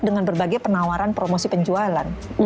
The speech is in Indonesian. dengan berbagai penawaran promosi penjualan